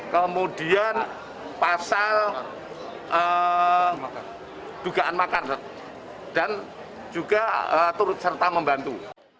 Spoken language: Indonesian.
kemudian pasal dugaan makar dan juga turut serta membantu